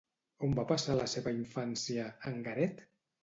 On va passar la seva infància, en Garet?